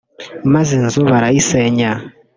maze inzu barayisenya